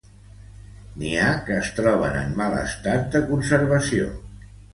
N'hi ha que es troben en mal estat de conservació.